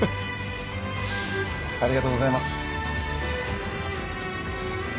ありがとうございます。